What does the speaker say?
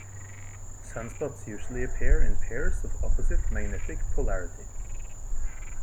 Sunspots usually appear in pairs of opposite magnetic polarity.